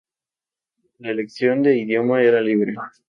La elección de idioma era libre.